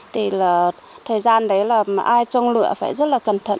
thì là thời gian đấy là ai trông lửa phải rất là cẩn thận